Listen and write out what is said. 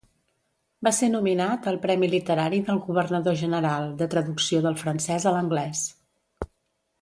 Va ser nominat al Premi literari del Governador General de traducció del francès a l'anglès.